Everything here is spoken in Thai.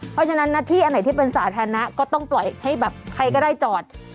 เพราะฉะนั้นหน้าที่อันไหนที่เป็นสาธารณะก็ต้องปล่อยให้แบบใครก็ได้จอด